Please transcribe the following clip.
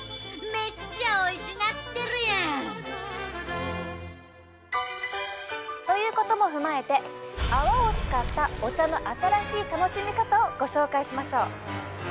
めっちゃおいしなってるやん！ということも踏まえて泡を使ったお茶の新しい楽しみ方をご紹介しましょう！